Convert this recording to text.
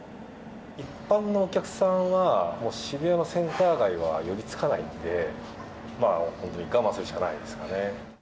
一般のお客さんはもう渋谷のセンター街は寄りつかないので、もう本当に我慢するしかないですかね。